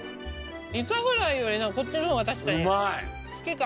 イカフライよりこっちの方が確かに好きかも。